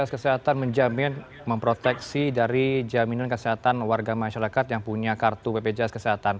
kementerian kesehatan menjamin memproteksi dari jaminan kesehatan warga masyarakat yang punya kartu bpjs kesehatan